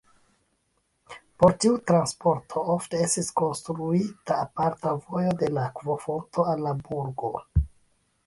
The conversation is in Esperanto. Por tiu transporto ofte estis konstruita aparta vojo de la akvofonto al la burgo.